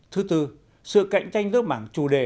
thứ tư sự cạnh tranh giữa mảng chủ đề